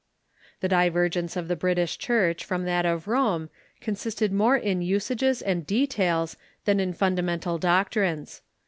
The divergence of the British Church from that of Rome consisted more in usages and details than in fundamental doc trines.